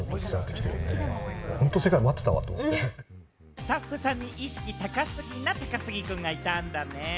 スタッフさんに意識高すぎな高杉くんがいたんだね。